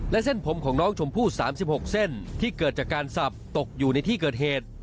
และเส้นผมของน้องชมพู่๓๖เส้นที่เกิดจากการสับตกอยู่ในที่เกิดเหตุ